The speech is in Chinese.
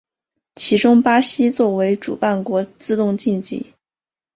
其中巴西作为主办国自动晋级。